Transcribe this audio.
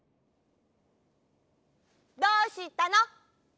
どうしたの？